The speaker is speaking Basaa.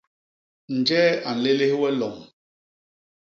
Njee a nlélés we lom?